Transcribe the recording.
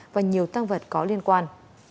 và nhiều tăng vật có liên quan